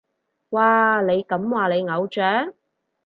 哇，你咁話你偶像？